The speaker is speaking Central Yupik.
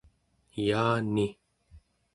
yaani